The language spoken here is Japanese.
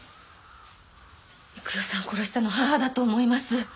幾代さんを殺したの義母だと思います。